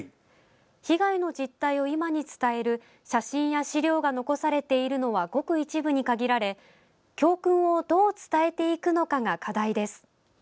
被害の実態を今に伝える写真や資料が残されているのはごく一部に限られ教訓をどう伝えていくのかが課題です。